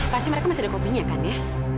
pasti mereka masih ada kopinya kan ya